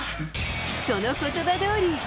そのことばどおり。